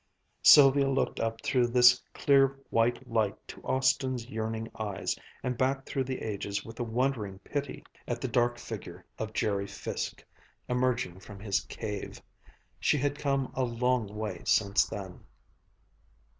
Sylvia looked up through this clear white light to Austin's yearning eyes, and back through the ages with a wondering pity at the dark figure of Jerry Fiske, emerging from his cave. She had come a long way since then.